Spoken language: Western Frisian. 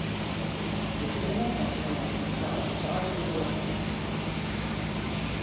De sinne komt moarn om sawat seis oere op.